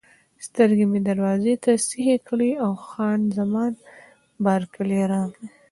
سترګې مې دروازې ته سیخې کړې او خان زمان بارکلي راغله.